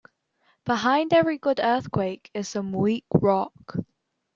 Behind every good earthquake is some weak rock.